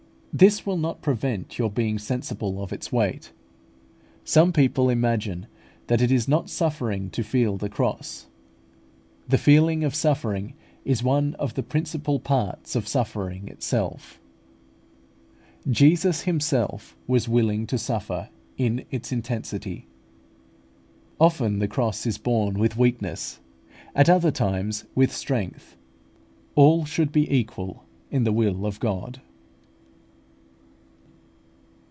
This will not prevent your being sensible of its weight. Some people imagine that it is not suffering to feel the cross. The feeling of suffering is one of the principal parts of suffering itself. Jesus Himself was willing to suffer it in its intensity. Often the cross is borne with weakness, at other times with strength: all should be equal in the will of God.